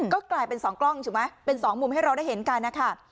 ก็กลายเป็น๒กล้องถูกไหมเป็นสองมุมให้เราได้เห็นกันนะคะ